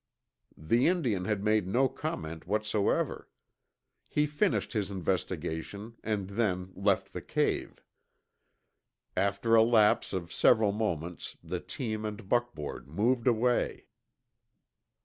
The Indian had made no comment whatsoever. He finished his investigation and then left the cave. After a lapse of several moments the team and buckboard moved away.